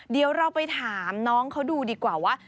เดี๋ยวเราไปถามน้องเขาดูดีกว่าว่า